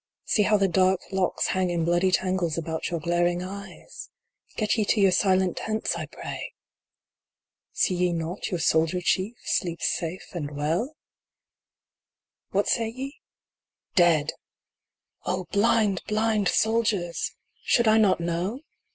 See how the dark locks hang in bloody tangles about your glaring eyes ! Get ye to your silent tents, I pray ! See ye not your soldier chief sleeps safe and well ? n 6 SAVED. What say ye ? "Dead!" blind, blind soldiers ! Should I not know